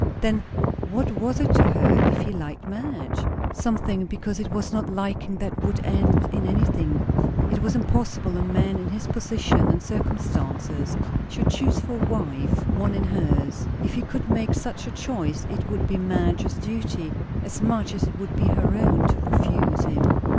Then what was it to her if he liked Madge? Something, because it was not liking that would end in anything; it was impossible a man in his position and circumstances should choose for a wife one in hers. If he could make such a choice, it would be Madge's duty, as much as it would be her own, to refuse him.